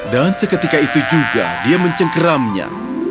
dan seketika itu juga dia mencengkeramnya